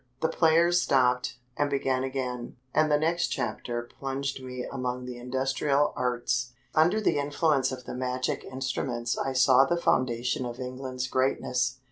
The players stopped, and began again; and the next chapter plunged me among the industrial arts. Under the influence of the magic instruments I saw the foundation of England's greatness.